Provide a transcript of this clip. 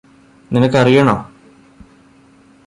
നിനക്ക് അറിയണോ